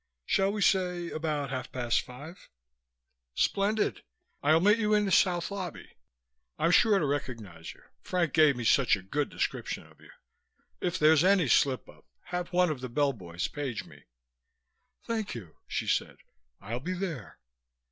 Shall we say about half past five?" "Splendid! I'll meet you in the south lobby. I'm sure to recognize you, Frank gave me such a good description of you. If there's any slip up, have one of the bellboys page me." "Thank you," she said. "I'll be there."